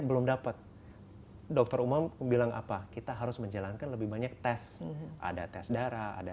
belum dapat dokter umum bilang apa kita harus menjalankan lebih banyak tes ada tes darah ada